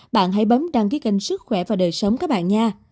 bạn hãy bấm đăng ký kênh sức khỏe và đời sống các bạn nha